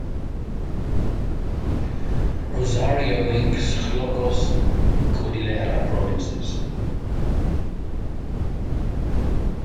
Rosario links Ilocos and Cordillera Provinces.